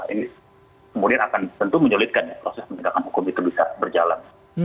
ini kemudian akan tentu menyulitkan ya proses penegakan hukum itu bisa berjalan